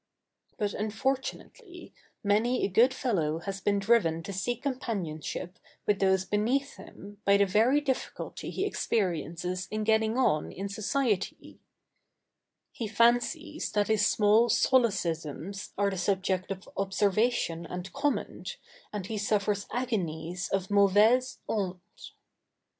But, unfortunately, many a good fellow has been driven to seek companionship with those beneath him by the very difficulty he experiences in getting on in society. [Sidenote: Men to be pitied.] He fancies that his small solecisms are the subject of observation and comment, and he suffers agonies of mauvaise honte. [Sidenote: A word to girls.